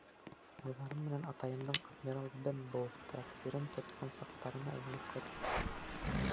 Уйҙарым менән атайымдың «Адмирал Бенбоу» трактирын тотҡан саҡтарына әйләнеп ҡайтам.